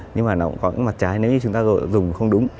nhưng mà nó cũng có những mặt trái nếu như chúng ta dùng không đúng